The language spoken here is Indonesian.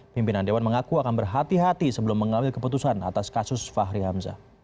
pimpinan dewan mengaku akan berhati hati sebelum mengambil keputusan atas kasus fahri hamzah